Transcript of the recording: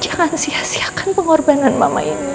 jangan sia siakan pengorbanan mama ini